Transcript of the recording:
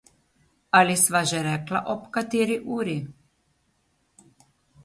Ali sva že rekla ob kateri uri?